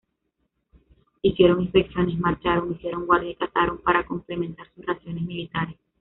Hicieron inspecciones, marcharon, hicieron guardia y cazaron para complementar sus raciones militares.